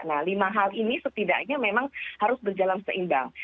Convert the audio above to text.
nah lima hal ini setidaknya memang harus berjalan seimbang